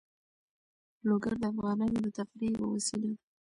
لوگر د افغانانو د تفریح یوه وسیله ده.